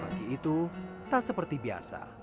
pagi itu tak seperti biasa